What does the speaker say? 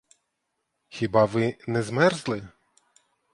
Хіба ви не змерзли?